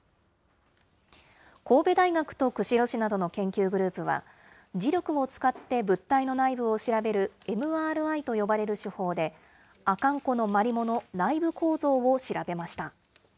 神戸大学と釧路市などの研究グループは、磁力を使って物体の内部を調べるＭＲＩと呼ばれる手法で、阿寒湖のマリモの内部構造を調べました。